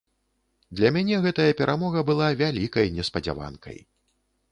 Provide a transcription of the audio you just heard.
Для мяне гэтая перамога была вялікай неспадзяванкай.